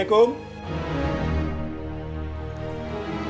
tidak ada yang bisa